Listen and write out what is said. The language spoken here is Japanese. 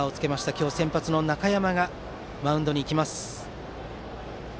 今日先発した中山がマウンドに行きました。